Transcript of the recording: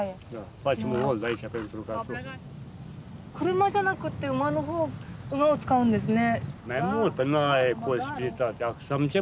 車じゃなくって馬を使うんですね。